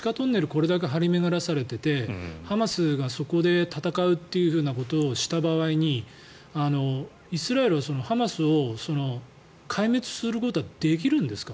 これだけ張り巡らされていてハマスがそこで戦うというふうなことをした場合にイスラエルはハマスを壊滅することはできるんですか？